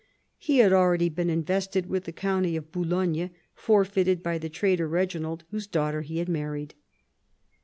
He had already been invested with the county of Boulogne, forfeited by the traitor Reginald whose daughter he had married.